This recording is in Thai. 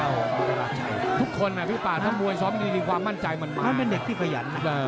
วันภาษาแท่นที่๒ปี